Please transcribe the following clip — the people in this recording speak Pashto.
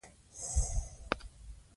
پېیر کوري د څېړنو د موادو تحلیل وکړ.